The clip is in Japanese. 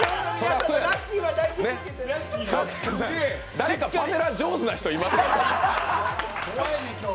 誰かパネラー上手な人います？